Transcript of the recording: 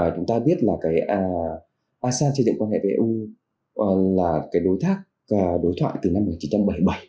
chúng ta biết asean xây dựng quan hệ với eu là đối thoại từ năm một nghìn chín trăm bảy mươi bảy